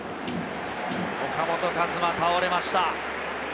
岡本和真、倒れました。